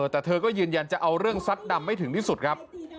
แต่เธอก็ยืนยันจะเอาเรื่องซัดดำให้ถึงที่สุดครับ